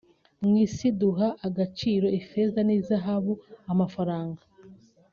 Mu isi duha agaciro ifeza n’izahabu (amafaranga